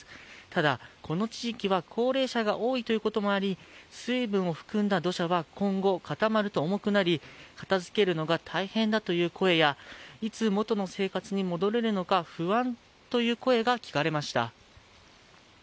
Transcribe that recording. ただ、この地域は高齢者が多いということもあり、水分を含んだ土砂は今後、固まると重くなり、片づけるのが大変だという声や、いつ、元の生活に戻れるのか不安という声が聞かれました。